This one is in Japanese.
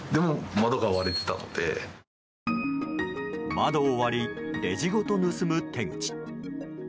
窓を割りレジごと盗む手口。